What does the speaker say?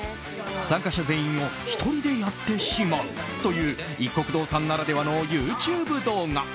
参加者全員を１人でやってしまうといういっこく堂さんならではのＹｏｕＴｕｂｅ動画。